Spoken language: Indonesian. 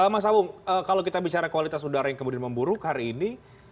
mas abung kalau kita bicara kualitas udara yang kemudian memburuk hari ini